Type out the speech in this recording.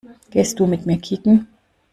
Gehst du mit mir kicken?